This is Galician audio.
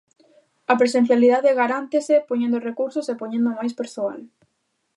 A presencialidade garántese poñendo recursos e poñendo máis persoal.